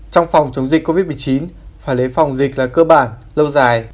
trong phòng chống dịch covid một mươi chín phải lấy phòng dịch là cơ bản lâu dài